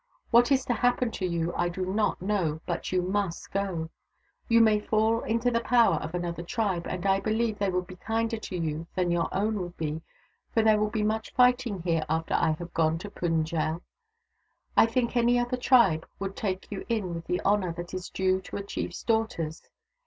" What is to happen to you I do not know, but you must go. You may fall into THE DAUGHTERS OF WONKAWALA 165 the power of another tribe, but I believe they would be kinder to you than your own would be, for there will be much fighting here after I have gone to Pund jel. I think any other tribe would take you in with the honour that is due to a chief's daughters.